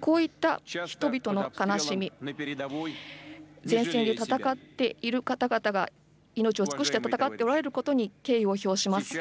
こういった人々の悲しみ、前線で戦っている方々が命を賭して戦っていることに敬意を表します。